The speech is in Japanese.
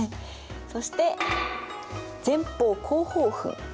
そして前方後方墳。